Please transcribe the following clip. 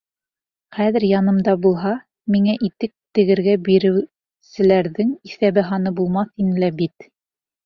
Хәҙер янымда булһа, миңә итек тегергә биреүселәрҙең иҫәбе-һаны булмаҫ ине лә бит...